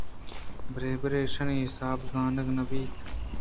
برے برے ایشانی حساب زانگ نہ بیت